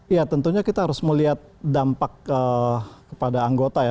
ya tentunya kita harus melihat dampak kepada anggota ya